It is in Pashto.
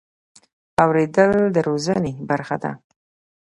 اورېدل د روزنې برخه ده.